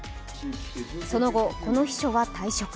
その後、この秘書は退職。